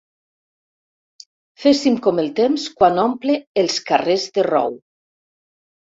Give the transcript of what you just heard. Féssim com el temps quan omple els carrers de rou.